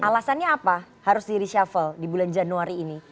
alasannya apa harus di reshuffle di bulan januari ini